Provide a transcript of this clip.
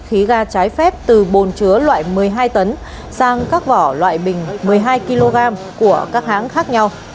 khí ga trái phép từ bồn chứa loại một mươi hai tấn sang các vỏ loại bình một mươi hai kg của các hãng khác nhau